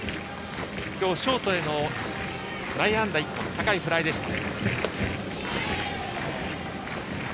今日ショートへの内野安打１本高いフライでした。